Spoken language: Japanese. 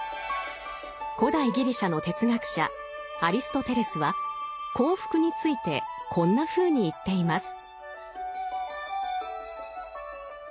古代ギリシャの哲学者アリストテレスは幸福についてこんなふうに言っています。